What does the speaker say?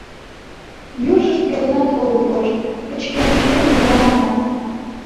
Южышт йодынат огыт кошт, пычкемыш йӱдым гына ваҥат.